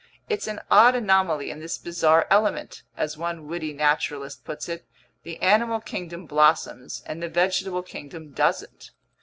"It's an odd anomaly in this bizarre element!" as one witty naturalist puts it. "The animal kingdom blossoms, and the vegetable kingdom doesn't!"